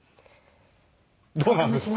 どうなんですか？